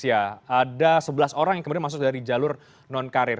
ada sebelas orang yang kemudian masuk dari jalur non karir